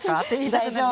大丈夫！